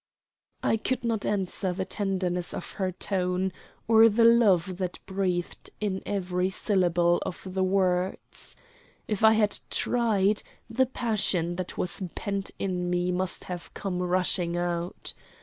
I could not answer the tenderness of her tone or the love that breathed in every syllable of the words. If I had tried, the passion that was pent in me must have come rushing out.